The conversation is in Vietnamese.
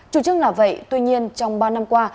chủ trương là vậy tuy nhiên trong ba năm qua